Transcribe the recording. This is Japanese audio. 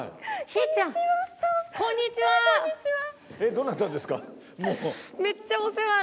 どなたですか？